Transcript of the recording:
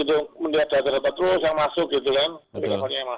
menurut data data terus yang masuk gitu kan